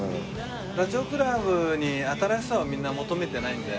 ダチョウ倶楽部に新しさをみんな求めてないんで。